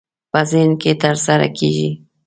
په ذهن کې ترسره کېږي.